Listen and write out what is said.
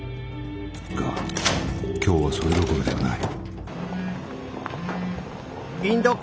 が今日はそれどころではない。